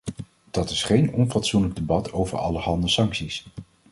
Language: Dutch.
Dat is geen onfatsoenlijk debat over allerhande sancties.